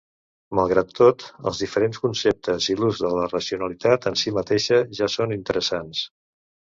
Malgrat tot, els diferents conceptes i l'ús de la "racionalitat" en sí mateixa ja són interessants.